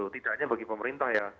tidak hanya bagi pemerintah ya